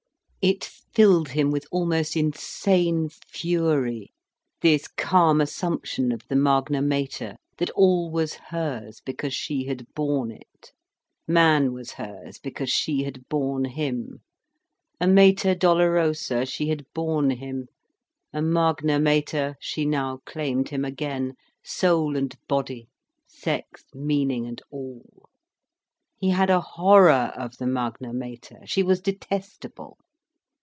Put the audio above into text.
It filled him with almost insane fury, this calm assumption of the Magna Mater, that all was hers, because she had borne it. Man was hers because she had borne him. A Mater Dolorosa, she had borne him, a Magna Mater, she now claimed him again, soul and body, sex, meaning, and all. He had a horror of the Magna Mater, she was detestable.